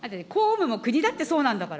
国だってそうなんだから。